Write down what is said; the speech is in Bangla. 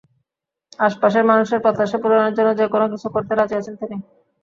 আশপাশের মানুষের প্রত্যাশা পূরণের জন্য যেকোনো কিছু করতে রাজি আছেন তিনি।